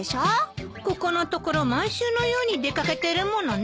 ここのところ毎週のように出掛けてるものね。